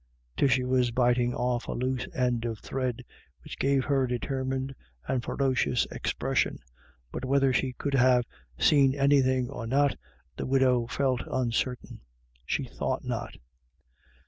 Tishy was biting off a loose end of thread, which gave her a determined and ferocious expression, but whether she could have seen anything or not the widow felt uncertain. She thought not.